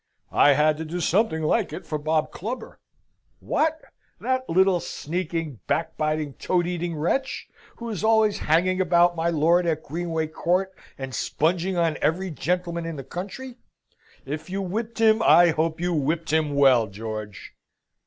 "I had to do something like it for Bob Clubber." "What! that little sneaking, backbiting, toad eating wretch, who is always hanging about my lord at Greenway Court, and spunging on every gentleman in the country? If you whipped him, I hope you whipped him well, George?"